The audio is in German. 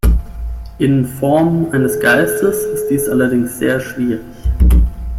In Form eines Geistes ist dies allerdings sehr schwierig.